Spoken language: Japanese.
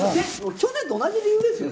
去年と同じ理由ですよ。